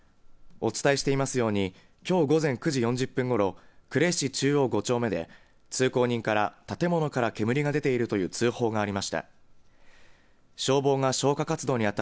お伝えしていますようにきょう、午前９時４０分ごろ呉市中央５丁目で通行人から建物から煙が出ているという通報がありました。